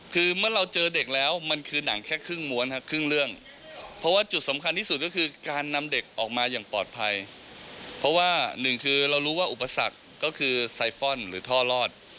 คือเมื่อเราเจอเด็กแล้วมันคือหนังแค่ครึ่งม้วนครับครึ่งเรื่องเพราะว่าจุดสำคัญที่สุดก็คือการนำเด็กออกมาอย่างปลอดภัยเพราะว่าหนึ่งคือเรารู้ว่าอุปสรรคก็คือไซฟอนด์หรือท่อรอด